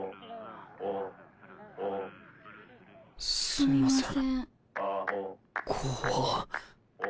すみません。